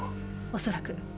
おそらく。